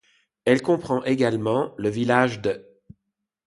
Elle comprend également le village d'.